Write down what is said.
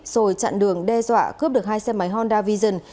rồi chặn đường đe dọa cướp được hai xe máy honda vision